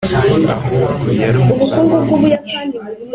ahubwo, yari umuraba mwinshi